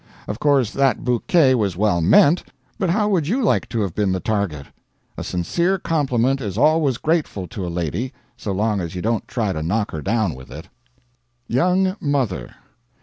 Of course that bouquet was well meant; but how would you like to have been the target? A sincere compliment is always grateful to a lady, so long as you don't try to knock her down with it. "YOUNG MOTHER."